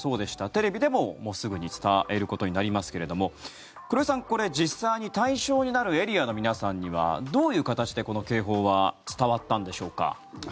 テレビでも、すぐに伝えることになりますけれども黒井さん、実際に対象になるエリアの皆さんにはどういう形で、この警報は伝わったんでしょうか。